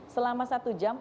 selama satu jam